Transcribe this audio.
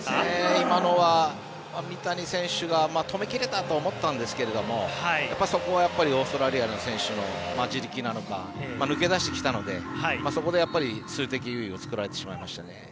今のは止めきれたと思ったんですけどそこはやっぱりオーストラリアの選手の地力なのか、抜け出してきたので数的優位を作られてしまいました。